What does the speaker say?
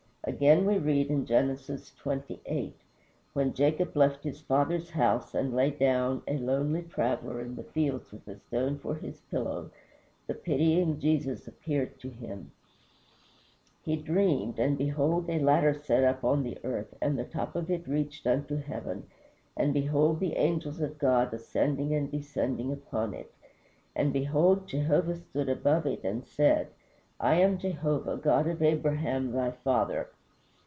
Again we read in Genesis xxviii., when Jacob left his father's house and lay down, a lonely traveler, in the fields with a stone for his pillow, the pitying Jesus appeared to him: "He dreamed, and behold a ladder set up on the earth, and the top of it reached unto heaven; and behold the angels of God ascending and descending upon it. And behold, Jehovah stood above it, and said, I am Jehovah, God of Abraham, thy father."